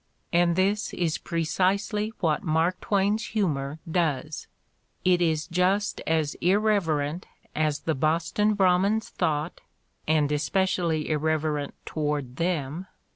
And this is precisely what Mark Twain's humor does. It is just as "irreverent" as the Boston Brahmins thought — and especially irreverent toward them